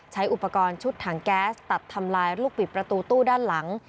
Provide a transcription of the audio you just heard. ใช้อุปกรณ์ชุดถังแก๊สตัดทำลายลูกบิดประตูตู้ด้านหลัง